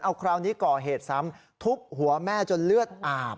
เอาคราวนี้ก่อเหตุซ้ำทุบหัวแม่จนเลือดอาบ